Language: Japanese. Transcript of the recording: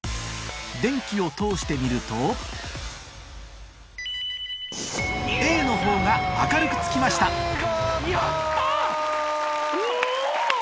電気を通してみるとＡのほうが明るくつきましたうぉ！